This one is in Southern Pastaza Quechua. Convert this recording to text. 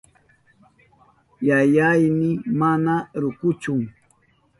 Yayayni mana rukuchu.